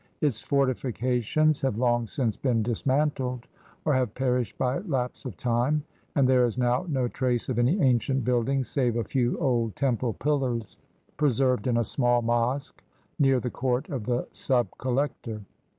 Its fortifications have long since been dismantled or have perished by lapse of time ; and there is now no trace of any ancient buildings save a few old temple pillars preserved in a small mosque near the court of the sub collector.